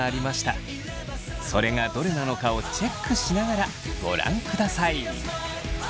それがどれなのかをチェックしながらご覧ください。